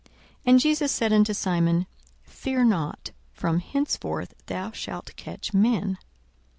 And Jesus said unto Simon, Fear not; from henceforth thou shalt catch men.